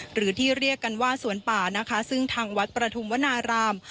หรือที่เรียกกันว่าสวนป่านะคะซึ่งทางวัดประทุมวนาราม